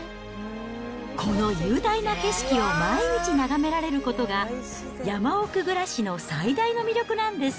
この雄大な景色を毎日眺められることが、山奥暮らしの最大の魅力なんです。